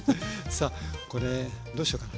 さあこれどうしようかな。